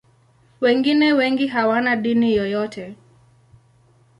Wengine wengi hawana dini yoyote.